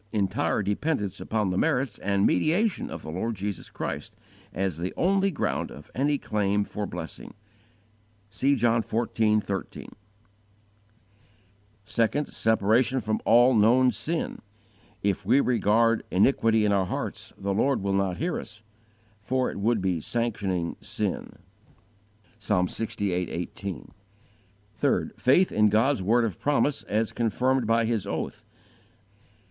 Entire dependence upon the merits and mediation of the Lord Jesus Christ, as the only ground of any claim for blessing. (See John xiv. 13, 14; xv. 16, etc.) 2. Separation from all known sin. If we regard iniquity in our hearts, the Lord will not hear us, for it would be sanctioning sin. (Psalm lxvi. 18.) 3. Faith in God's word of promise as confirmed by His oath.